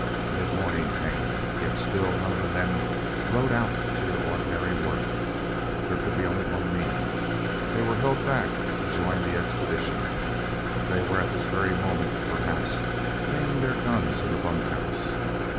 Mid morning came, yet still none of the men rode out to their ordinary work. There could be only one meaning. They were held back to join the expedition. They were at this very moment, perhaps, cleaning their guns in the bunkhouse.